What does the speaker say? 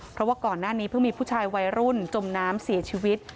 เพราะว่าก่อนหน้านี้เพิ่งมีผู้ชายวัยรุ่นจมน้ำเสียชีวิต